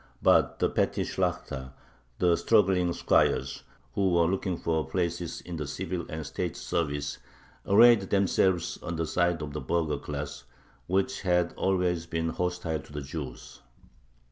But the petty Shlakhta, the struggling squires, who were looking for places in the civil and state service, arrayed themselves on the side of the burgher class, which had always been hostile to the Jews.